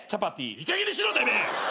いいかげんにしろてめえ！